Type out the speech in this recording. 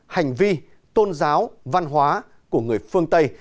hành vi tôn giáo văn hóa của người phương tây